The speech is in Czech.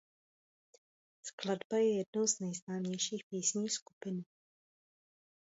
Skladba je jednou z nejznámějších písní skupiny.